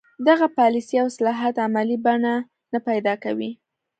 دغه پالیسۍ او اصلاحات عملي بڼه نه پیدا کوي.